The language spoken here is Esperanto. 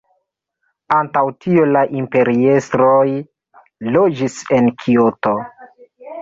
Antaŭ tio la imperiestroj loĝis en Kioto.